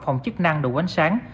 phòng chức năng đủ ánh sáng